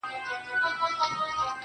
همدغه مي بس ټوله پت – غرور دی د ژوند~